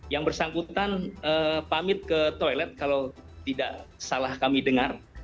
yang bersangkutan pamit ke toilet kalau tidak salah kami dengar